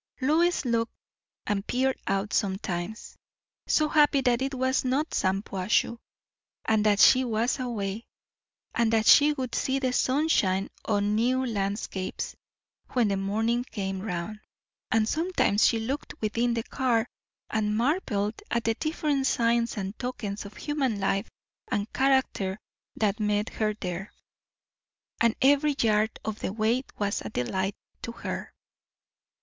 Lois looked and peered out sometimes, so happy that it was not Shampuashuh, and that she was away, and that she would see the sun shine on new landscapes when the morning came round; and sometimes she looked within the car, and marvelled at the different signs and tokens of human life and character that met her there. And every yard of the way was a delight to her.